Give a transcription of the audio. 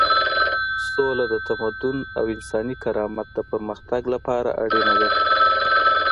سوله د تمدن او انساني کرامت د پرمختګ لپاره اړینه ده.